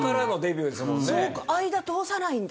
そうか間通さないんだ。